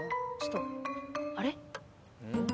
あれ？